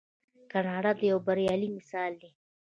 کاناډا یو بریالی مثال دی.